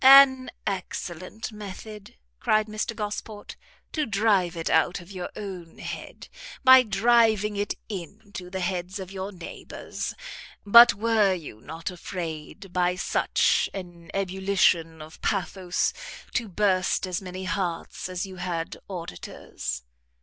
"An excellent method," cried Mr Gosport, "to drive it out of your own head, by driving it into the heads of your neighbours! But were you not afraid, by such an ebullition of pathos, to burst as many hearts as you had auditors?"